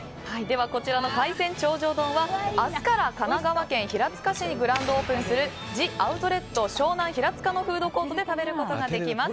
こちらの海鮮頂上丼は明日から神奈川県平塚市にグランドオープンするジ・アウトレット湘南平塚のフードコートで食べることができます。